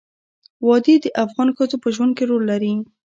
وادي د افغان ښځو په ژوند کې رول لري.